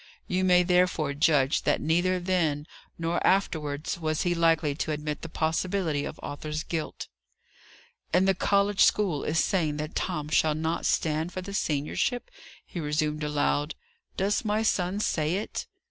You may, therefore, judge that neither then, nor afterwards, was he likely to admit the possibility of Arthur's guilt. "And the college school is saying that Tom shall not stand for the seniorship!" he resumed aloud. "Does my son say it?"